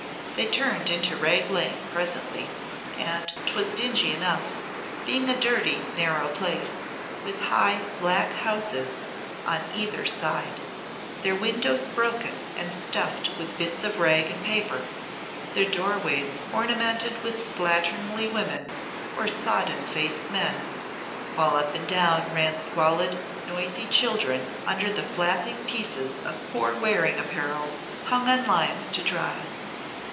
They turned into Rag Lane presently, and 'twas dingy enough, being a dirty, narrow place, with high black houses on either side, their windows broken and stuffed with bits of rag and paper, their doorways ornamented with slatternly women or sodden faced men, while up and down ran squalid, noisy children under the flapping pieces of poor wearing apparel hung on lines to dry.